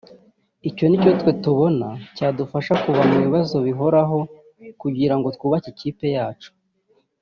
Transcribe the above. Icyo ni cyo twe tubona cyadufasha kuva mu bibazo bihoraho kugira ngo twubake ikipe yacu